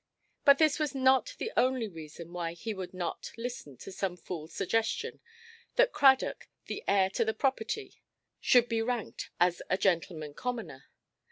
But this was not the only reason why he would not listen to some foolʼs suggestion, that Cradock, the heir to the property, should be ranked as a "gentleman–commoner".